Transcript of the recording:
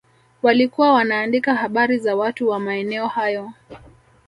Walikuwa wanaandika habari za watu wa maeneo hayo